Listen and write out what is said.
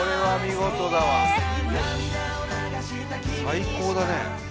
最高だね。